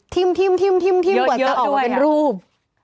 ทิมเหมือนจะออกมาเป็นรูป